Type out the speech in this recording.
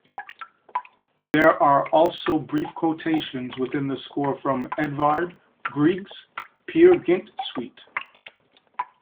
There are also brief quotations within the score from Edvard Grieg's Peer Gynt Suite.